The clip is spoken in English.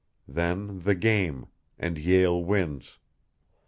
Then the game and Yale wins.